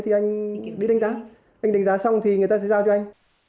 thì anh đánh giá xong thì người ta sẽ giao cho anh